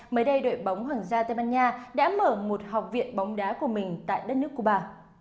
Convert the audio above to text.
mới đây đội bóng hoàng gia tây ban nha đã mở một học viện bóng đá của mình tại đất nước cuba